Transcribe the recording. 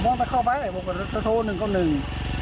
มองไปเข้าไปเขาโทรหนึ่งก็หนึ่ง